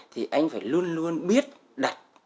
thì anh phải luôn luôn biết đặt